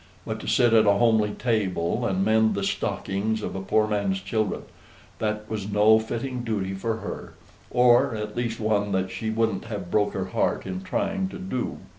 But to sit at a homely table, and mend the stockings of a poor man's children! that was no fitting duty for her, or at least one that she wouldn't have broke her heart in trying to do.